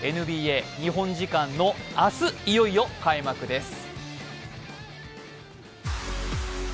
ＮＢＡ、日本時間の明日、いよいよ開幕です。